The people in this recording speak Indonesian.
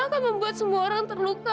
akan membuat semua orang terluka